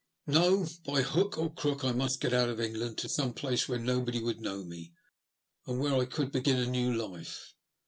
No ; by hook or crook I must get out of England to some place where nobody would know me, and where I could begin a new life.